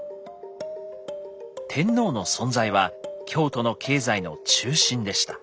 天皇の存在は京都の経済の中心でした。